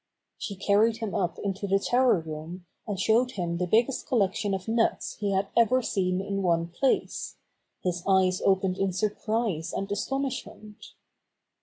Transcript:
She carried him up into the tower room, and showed him the biggest collection of nuts he had ever seen in one place. His eyes opened in surprise and astonishment.